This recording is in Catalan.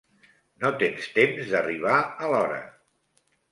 No tens temps d'arribar a l'hora.